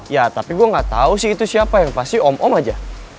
ya tapi gue gak tau sih itu siapa yang pasti om om aja